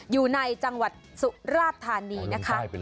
อยู่ในจังหวัดสุราธานีนะคะ